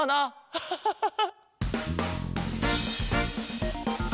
ハハハハハ。